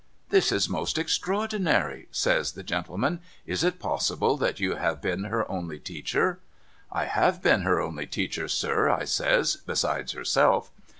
' This is most extraordinary,' says the gentleman ;' is it possible that you have been her only teacher ?'' I have been her only teacher, sir,' I says, ' besides herself.'